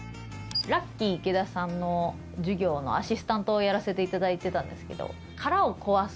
ラッキィ池田さんの授業のアシスタントをやらせて頂いてたんですけど殻を壊す。